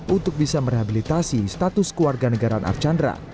untuk bisa merehabilitasi status keluarga negaraan archandra